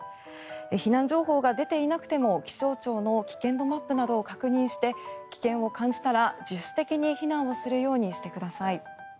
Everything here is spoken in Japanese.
避難情報が出ていなくても気象庁の危険度マップなどを確認して、危険を感じたら自主的に避難をするようにしてください。